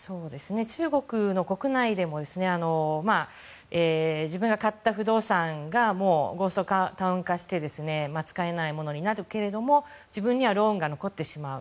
中国の国内でも自分が買った不動産がもうゴーストタウン化して使えないものになるけれども自分にはローンが残ってしまう。